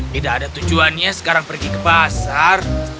tidak ada tujuannya sekarang pergi ke pasar